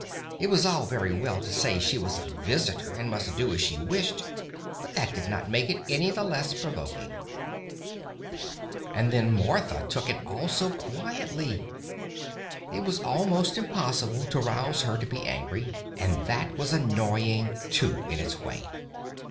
It was all very well to say that she was a visitor and must do as she wished, but that did not make it any the less provoking. And then Martha took it all so quietly. It was almost impossible to rouse her to be angry, and that was annoying too in its way.